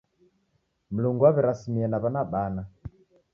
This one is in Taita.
Mlungu waw'irasimie na w'ana bana.